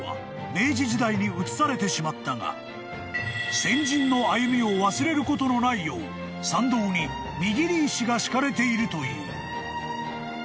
［先人の歩みを忘れることのないよう参道に砌石が敷かれているという］